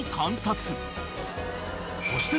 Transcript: ［そして］